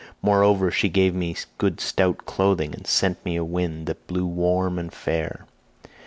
Moreover she gave me good stout clothing, and sent me a wind that blew both warm and fair.